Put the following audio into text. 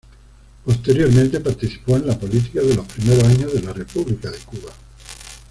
Posteriormente, participó en la política de los primeros años de la República de Cuba.